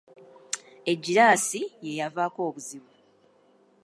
Eggiraasi ye yavaako obuzibu.